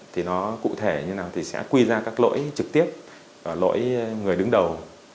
thì nó cụ thể như nào thì sẽ quy ra các lỗi trực tiếp lỗi người đứng đầu